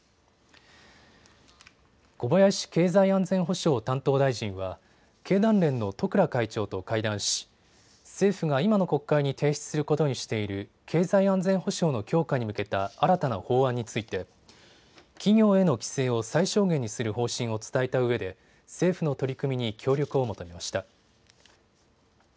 小林経済安全保障担当大臣は経団連の十倉会長と会談し、政府が今の国会に提出することにしている経済安全保障の強化に向けた新たな法案について企業への規制を最小限にする方針を伝えたうえで政府の取り組みに協力を求めました。